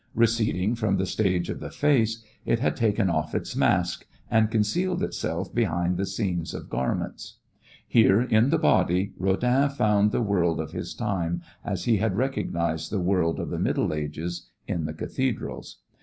Receding from the stage of the face it had taken off its mask and concealed itself behind the scenes of garments. Here in the body Rodin found the world of his time as he had recognized the world of the Middle Ages in the cathedrals.